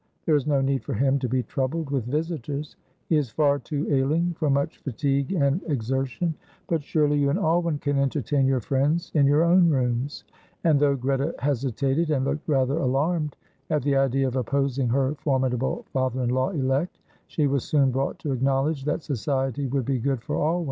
There is no need for him to be troubled with visitors; he is far too ailing for much fatigue and exertion; but surely you and Alwyn can entertain your friends in your own rooms," and, though Greta hesitated and looked rather alarmed at the idea of opposing her formidable father in law elect, she was soon brought to acknowledge that society would be good for Alwyn.